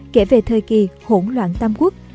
kể về thời kỳ hỗn loạn tam quốc